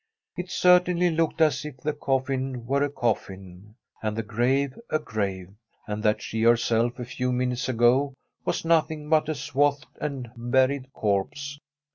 It certainly looked as if the coffin were a coffin, and the grave a grave, and that she herself a few minutes ago was nothing but a swathed and buried corpse.